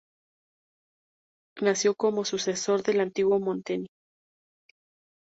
Nació como sucesor del antiguo Molteni.